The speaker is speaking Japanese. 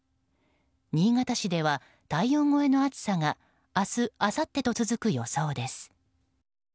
新潟市では体温超えの暑さが明日あさってと続く予想です。